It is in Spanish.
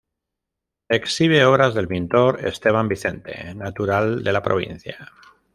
Exhibe obras del pintor Esteban Vicente, natural de la provincia.